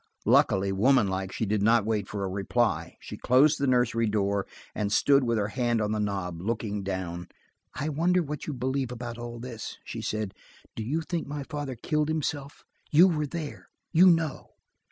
Luckily, woman like, she did not wait for a reply. She closed the nursery door and stood with her hand on the knob, looking down. "I wonder what you believe about all this," she said. "Do you think my father–killed himself? You were there; you know.